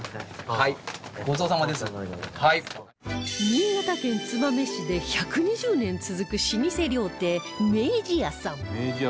新潟県燕市で１２０年続く老舗料亭明治屋さん